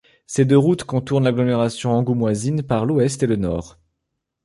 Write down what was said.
Ces deux routes contournent l'agglomération angoumoisine par l'ouest et le nord.